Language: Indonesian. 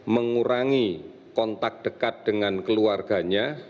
mengurangi kontak dekat dengan keluarganya